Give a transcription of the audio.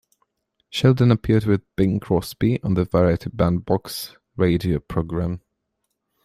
Shelton appeared with Bing Crosby on the "Variety Bandbox" radio programme.